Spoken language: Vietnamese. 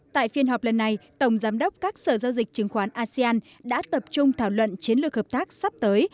tại phiên họp lần này tổng giám đốc các sở giao dịch chứng khoán asean đã tập trung thảo luận chiến lược hợp tác sắp tới